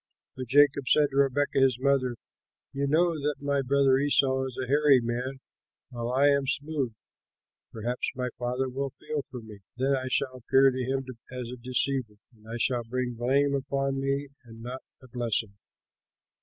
But Jacob said to Rebekah his mother, "You know that my brother Esau is a hairy man, while I am smooth. Perhaps my father will feel of me; then I shall appear to him as a deceiver, and I shall bring blame upon me and not a blessing."